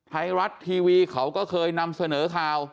ไทยรัฐทีวีเขาก็เคยนำเสนอข่าว